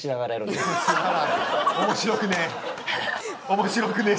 面白くねえ。